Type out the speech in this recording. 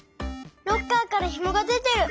ロッカーからひもがでてる！